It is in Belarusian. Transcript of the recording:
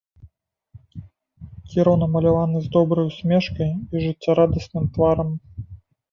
Кіраў намаляваны з добрай усмешкай і жыццярадасным тварам.